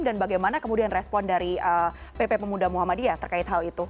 dan bagaimana kemudian respon pp pemuda muhammadiyah terkait hal itu